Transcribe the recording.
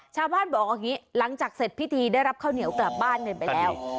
ชาวภาทบอกว่าหลังจากเสร็จพิธีได้รับข้าวเหนียวกลับบ้านไปแล้ว